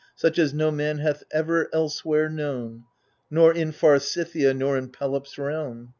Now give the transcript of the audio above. Such as no man hath ever elsewhere kno\vn. Nor in far Scythia, nor in Pelops' realm.